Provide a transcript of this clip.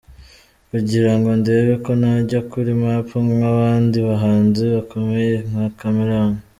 kugira ngo ndebe ko najya kuri map nkabandi bahanzi bakomeye nka Chameleone.